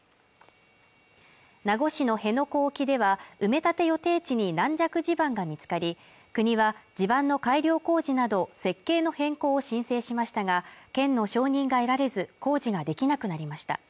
名護市の辺野古沖では埋め立て予定地に軟弱地盤が見つかり国は地盤の改良工事など設計の変更を申請しましたが県の承認が得られず工事ができなくなりました